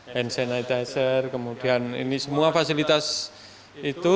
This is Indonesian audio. hand sanitizer kemudian ini semua fasilitas itu